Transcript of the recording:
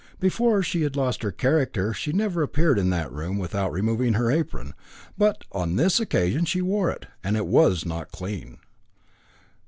Before she had lost her character she never appeared in that room without removing her apron, but on this occasion she wore it, and it was not clean.